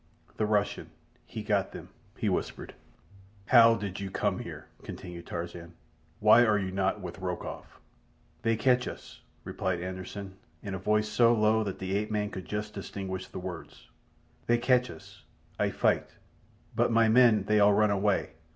"The Russian—he got them," he whispered. "How did you come here?" continued Tarzan. "Why are you not with Rokoff?" "They catch us," replied Anderssen, in a voice so low that the ape man could just distinguish the words. "They catch us. Ay fight, but my men they all run away.